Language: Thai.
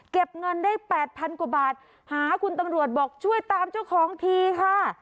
เงินได้แปดพันกว่าบาทหาคุณตำรวจบอกช่วยตามเจ้าของทีค่ะ